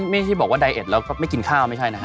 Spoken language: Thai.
ไม่ใช่บอกว่าไดเอ็ดแล้วก็ไม่กินข้าวไม่ใช่นะฮะ